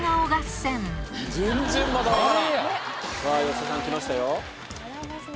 ピンポン吉田さん来ましたよ。